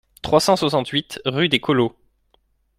trois cent soixante-huit rue des Collots